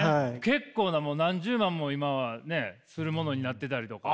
結構なもう何十万も今はねするものになってたりとか。